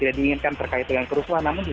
tidak diinginkan terkait dengan kerusuhan namun